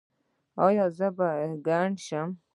ایا زه به کڼ شم؟